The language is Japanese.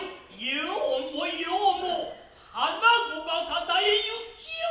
ようもようも花子が方へ行きおったな。